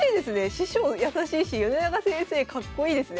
師匠優しいし米長先生かっこいいですね。